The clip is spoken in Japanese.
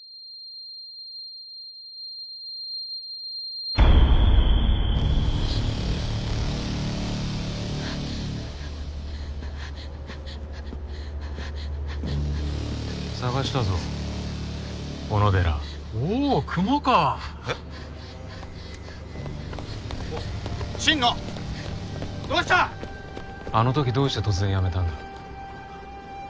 あの時どうして突然辞めたんだ？